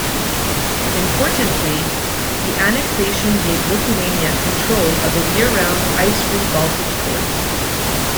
Importantly, the annexation gave Lithuania control of a year-round ice-free Baltic port.